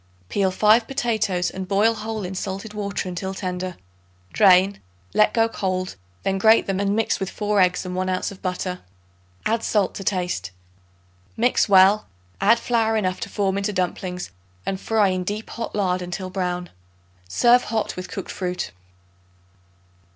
Peel 5 potatoes and boil whole in salted water until tender. Drain, let get cold, then grate them and mix with 4 eggs and 1 ounce of butter; add salt to taste. Mix well; add flour enough to form into dumplings and fry in deep hot lard until brown. Serve hot with cooked fruit.